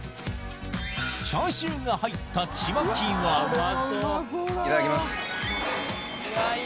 チャーシューが入ったチマキはいただきます。